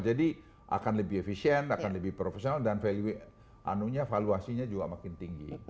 jadi akan lebih efisien akan lebih professional dan valuasinya juga makin tinggi